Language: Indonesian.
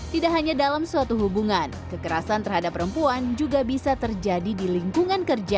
tidak hanya dalam suatu hubungan kekerasan terhadap perempuan juga bisa terjadi di lingkungan kerja